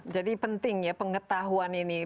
jadi penting ya pengetahuan ini